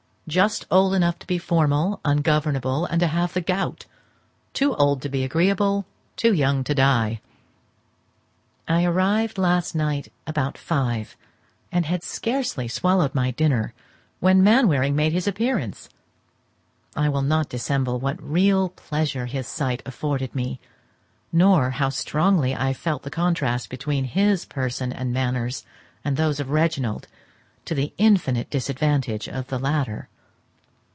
just old enough to be formal, ungovernable, and to have the gout; too old to be agreeable, too young to die. I arrived last night about five, had scarcely swallowed my dinner when Mainwaring made his appearance. I will not dissemble what real pleasure his sight afforded me, nor how strongly I felt the contrast between his person and manners and those of Reginald, to the infinite disadvantage of the latter.